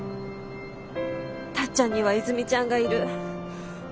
タッちゃんには和泉ちゃんがいる。